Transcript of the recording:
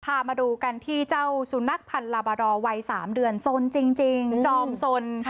พามาดูกันที่เจ้าสุนัขพันธ์ลาบารอวัย๓เดือนสนจริงจอมสน